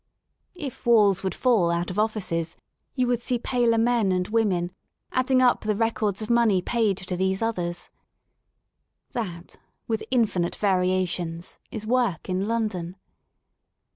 If walls would fall out J of offices you would see paler men and women adding [J ^ up the records of money paid to these others. That, r * with infinite variations, is work in London.